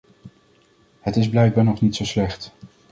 Het is blijkbaar nog niet zo slecht.